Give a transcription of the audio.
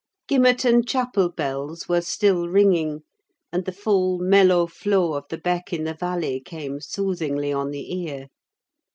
Gimmerton chapel bells were still ringing; and the full, mellow flow of the beck in the valley came soothingly on the ear.